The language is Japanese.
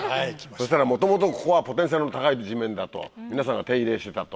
そしたら元々ここはポテンシャルの高い地面だと皆さんが手入れしてたと。